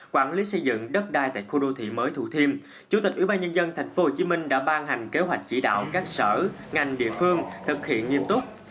quản lý xây dựng đất đai tại khu đô thị mới thủ thiêm chủ tịch ubnd tp hcm đã ban hành kế hoạch chỉ đạo các sở ngành địa phương thực hiện nghiêm túc